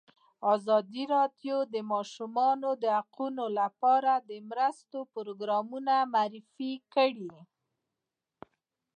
ازادي راډیو د د ماشومانو حقونه لپاره د مرستو پروګرامونه معرفي کړي.